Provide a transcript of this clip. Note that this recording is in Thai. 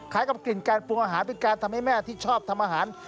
กับกลิ่นการปรุงอาหารเป็นการทำให้แม่ที่ชอบทำอาหาร